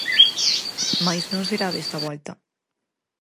Mais non será desta volta.